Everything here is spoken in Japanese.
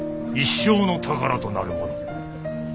一生の宝となるもの。